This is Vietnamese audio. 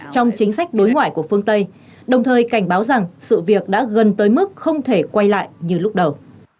trong chính sách đối ngoại của phương tây đồng thời cảnh báo rằng sự việc đã gần tới mức không thể quay lại như lúc đầu